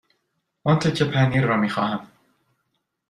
آن تکه پنیر را می خواهم.